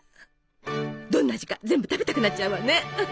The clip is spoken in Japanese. どんな味か全部食べたくなっちゃうわね。